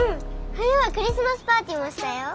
冬はクリスマスパーティーもしたよ。